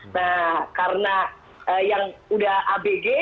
nah karena yang udah abg